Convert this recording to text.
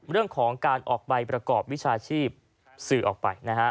เรื่องของการออกใบประกอบวิชาชีพสื่อออกไปนะฮะ